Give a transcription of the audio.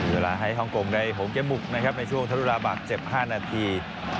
เวลาให้ฮ่องกงได้โหมแก้หมุกนะครับในช่วงทะลุราบาดเจ็บ๕นาที